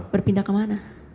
berpindah ke mana